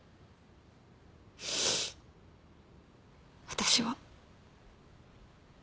私は。